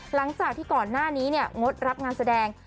หลังจากที่ก่อนหน้านี้เนี่ยงดรับงานแสดง